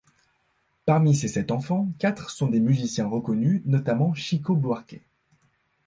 Parmi ses sept enfants, quatre sont des musiciens reconnus, notamment Chico Buarque.